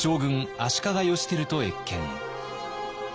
足利義輝と謁見。